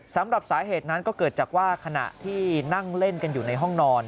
สำหรับสาเหตุนั้นก็เกิดจากว่าขณะที่นั่งเล่นกันอยู่ในห้องนอน